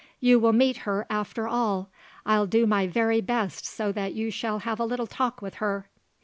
"You will meet her after all. I'll do my very best so that you shall have a little talk with her."